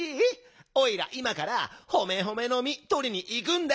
おいらいまからホメホメのみとりにいくんだ。